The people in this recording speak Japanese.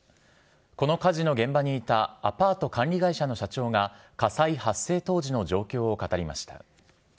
この火事の現場にいたアパート管理会社の社長が、火災発生当時の状況を語りました。